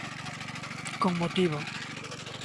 Con motivo.